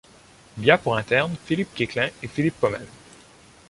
Il y a pour internes Philippe Kœchlin et Philippe Paumelle.